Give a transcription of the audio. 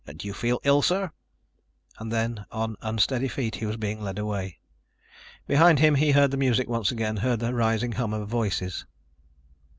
"Do you feel ill, sir?" And then, on unsteady feet, he was being led away. Behind him he heard the music once again, heard the rising hum of voices.